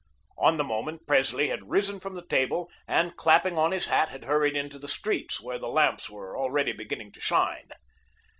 On the moment, Presley had risen from the table and, clapping on his hat, had hurried into the streets, where the lamps were already beginning to shine.